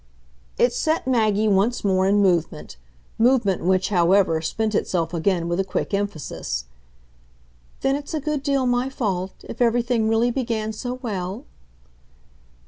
It set Maggie once more in movement movement which, however, spent itself again with a quick emphasis. "Then it's a good deal my fault if everything really began so well?"